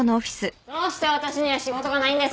どうして私には仕事がないんですか？